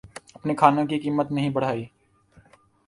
اپنے کھانوں کی قیمت نہیں بڑھائی